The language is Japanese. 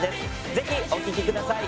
ぜひお聴きください。